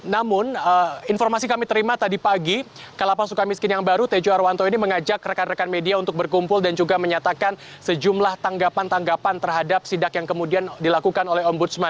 namun informasi kami terima tadi pagi kalapas suka miskin yang baru tejo harwanto ini mengajak rekan rekan media untuk berkumpul dan juga menyatakan sejumlah tanggapan tanggapan terhadap sidak yang kemudian dilakukan oleh ombudsman